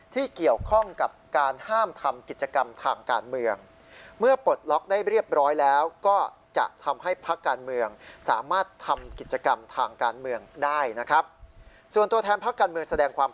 ที่เกี่ยวข้องกับการห้ามทำกิจกรรมทางการเมือง